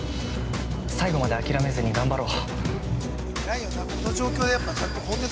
最後まで諦めずに頑張ろう。